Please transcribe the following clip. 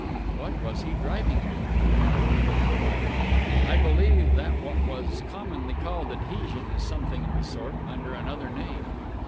What was he driving at? I thought; but replied: "I believe that what is commonly called 'adhesion' is something of the sort, under another name."